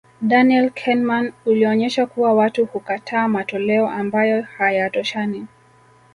Daniel Kahneman ulionyesha kuwa watu hukataa matoleo ambayo hayatoshani